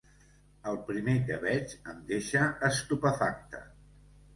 El primer que veig em deixa estupefacte.